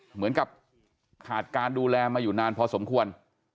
เหมือนกับขาดการดูแลมาอยู่นานพอสมควร